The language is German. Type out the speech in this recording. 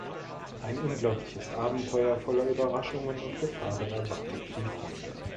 Ein unglaubliches Abenteuer voller Überraschungen und Gefahren erwartet die Freunde.